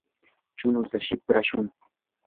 chunuta siprashun.